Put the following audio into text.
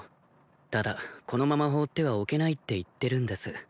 ただこのまま放ってはおけないって言ってるんです